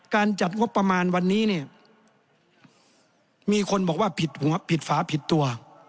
จัดงบประมาณวันนี้เนี่ยมีคนบอกว่าผิดหัวผิดฝาผิดตัว